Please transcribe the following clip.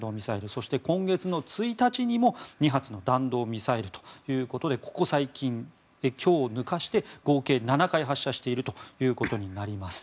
そして、今月の１日にも２発の弾道ミサイルということでここ最近、今日を抜かして合計７回発射していることになります。